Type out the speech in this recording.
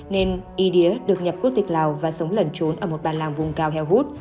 nên y đía được nhập quốc tịch lào và sống lẩn trốn ở một bàn làng vùng cao heo hút